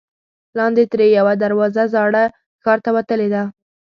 لاندې ترې یوه دروازه زاړه ښار ته وتلې ده.